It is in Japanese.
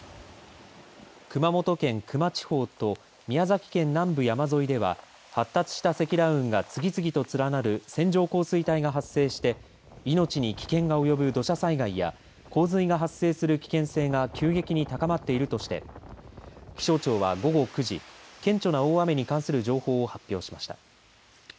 熊本県球磨地方と宮崎県南部山沿いでは発達した積乱雲が次々と連なる線状降水帯が発生して命に危険が及ぶ土砂災害や洪水が発生する危険性が急激に高まっているとして気象庁は午後９時顕著な大雨に関する情報を発表しました。